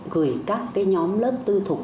gửi các cái nhóm lớp tư thục